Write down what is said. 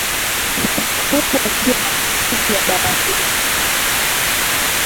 Huku akiwa na mizizi ya dawa hiyo